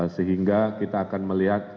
sehingga kita akan melihat